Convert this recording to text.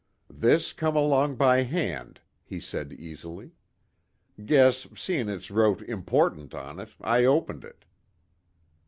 "This come along by hand," he said easily. "Guess, seein' it's wrote 'important' on it, I opened it."